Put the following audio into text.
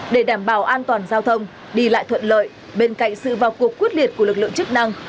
để đảm bảo an toàn giao thông đi lại thuận lợi bên cạnh sự vào cuộc quyết liệt của lực lượng chức năng